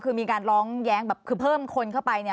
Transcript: คือมีการร้องแย้งแบบคือเพิ่มคนเข้าไปเนี่ย